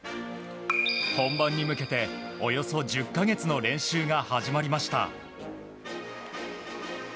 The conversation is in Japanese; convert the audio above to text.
本番に向けて、およそ１０か月の練習が始まりました。